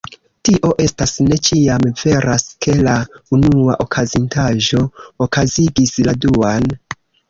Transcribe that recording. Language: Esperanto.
Tio estas, ne ĉiam veras ke la unua okazintaĵo okazigis la duan.